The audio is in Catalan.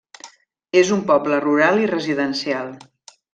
És un poble rural i residencial.